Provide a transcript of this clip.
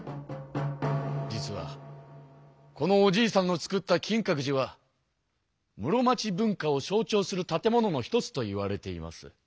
実はこのおじいさんの作った金閣寺は室町文化を象ちょうする建物の一つといわれています。